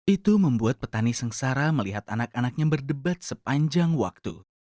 itu membuat petani sengsara melihat anak anaknya berdebat sepanjang waktu